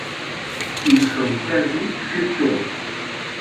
Ils sont quasi-sculpturaux.